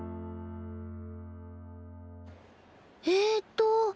えっと。